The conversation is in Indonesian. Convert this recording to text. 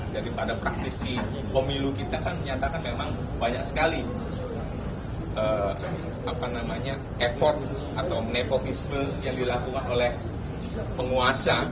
jadi pada praktisi pemilu kita kan menyatakan memang banyak sekali effort atau nepotisme yang dilakukan oleh penguasa